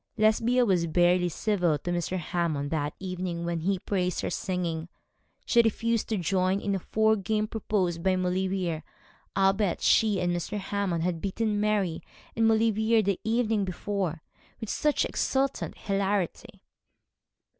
Lesbia was barely civil to Mr. Hammond that evening when he praised her singing; and she refused to join in a four game proposed by Maulevrier, albeit she and Mr. Hammond had beaten Mary and Maulevrier the evening before, with much exultant hilarity.